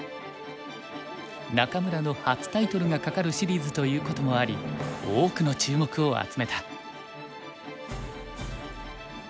仲邑の初タイトルがかかるシリーズということもあり多くの注目を集めた。